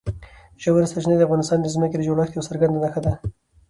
ژورې سرچینې د افغانستان د ځمکې د جوړښت یوه څرګنده نښه ده.